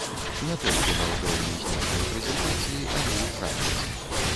Не толькі на ўзроўні знешняй прэзентацыі, але і ў практыцы.